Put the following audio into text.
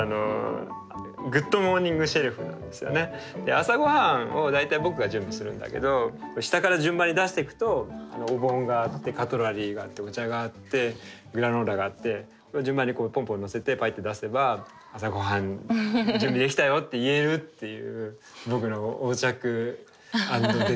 朝ごはんを大体僕が準備するんだけど下から順番に出していくとお盆があってカトラリーがあってお茶があってグラノーラがあって順番にこうポンポンのせてポイッて出せば「朝ごはん準備できたよ」って言えるっていう。